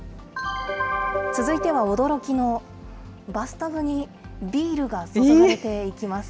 続いては、驚きの、バスタブにビールが注がれていきます。